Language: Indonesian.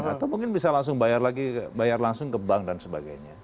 atau mungkin bisa langsung bayar langsung ke bank dan sebagainya